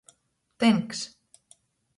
Tynks.